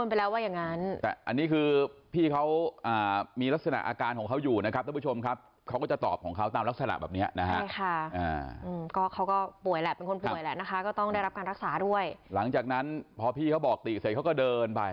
ถ้ามันเปลี่ยนมันจะเปลี่ยนไปเยี่ยมจะได้ซื้อ